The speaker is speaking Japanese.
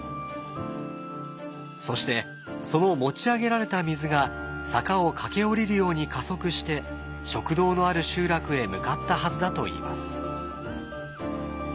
そしてその持ち上げられた水が坂を駆け下りるように加速して食堂のある集落へ向かったはずだといいます。